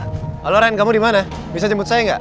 halo ren kamu dimana bisa jemput saya gak